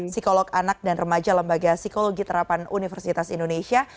psikolog anak dan remaja lembaga psikologi terapan universitas indonesia